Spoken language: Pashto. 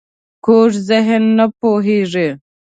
کوږ ذهن نه پوهېږي